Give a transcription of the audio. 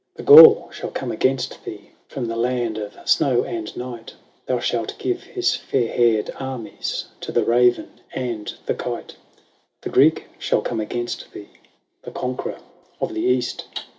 XXIII. *^ The Gaul shall come against thee From the land of snow and night : Thou shalt give his fair haired armies To the raven and the kite. XXIV. " The Greek shall come against thee. The conqueror of the East.